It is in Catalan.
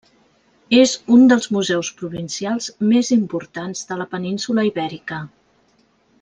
És un dels museus provincials més importants de la península Ibèrica.